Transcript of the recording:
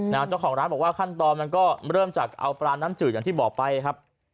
เจ้าของร้านบอกว่าขั้นตอนมันก็เริ่มจากเอาปลาน้ำจืดอย่างที่บอกไปครับ